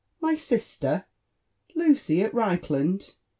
— my sister Lucy at Reichland